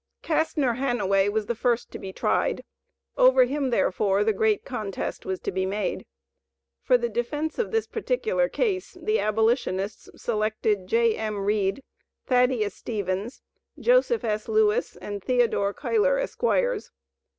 Castnor Hanaway was first to be tried; over him, therefore, the great contest was to be made. For the defence of this particular case, the abolitionists selected J.M. Read, Thaddeus Stevens, Joseph S. Lewis and Theodore Cuyler, Esqs.